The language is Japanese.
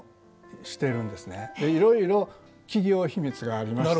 いろいろ企業秘密がありましてね。